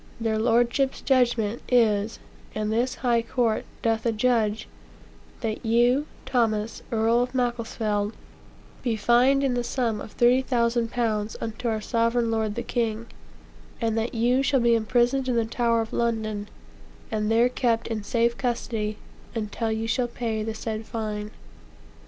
Their lordships' judgment is, and this high court doth adjudge, that you, Thomas, Earl of Macclesfield, be fined in the sum of thirty thousand pounds unto our sovereign lord the king; and that you shall be imprisoned in the tower of London, and there kept in safe custody, until yon shall pay the said fine.'"